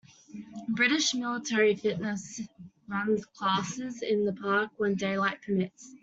British Military Fitness runs classes in the park when daylight permits.